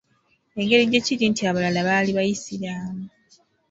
Engeri gye kiri nti abalala baali bayisiraamu.